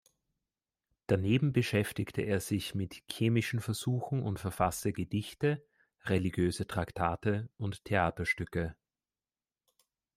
Daneben beschäftigte er sich mit chemischen Versuchen und verfasste Gedichte, religiöse Traktate und Theaterstücke.